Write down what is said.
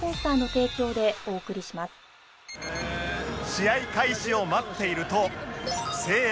試合開始を待っていると